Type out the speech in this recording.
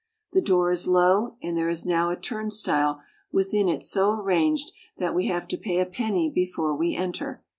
The door is low, and there is now a turnstile within it so arranged that we have to pay a penny before we enter.